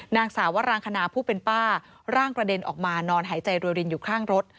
นางสาววรางคณาผู้เป็นป้าร่างกระเด็นออกมานอนหายใจรวยรินอยู่ข้างรถ